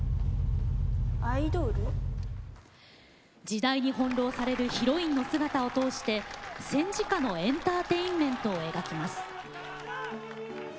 時代に翻弄されるヒロインの姿を通して戦時下のエンターテインメントを描きます。